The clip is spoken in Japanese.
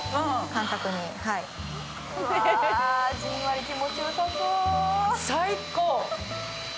じんわり気持ちよさそう。